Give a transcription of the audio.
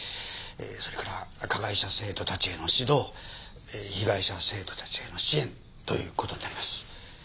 それから加害者生徒たちへの指導被害者生徒たちへの支援という事になります。